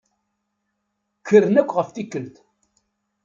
Kkren akk ɣef tikkelt.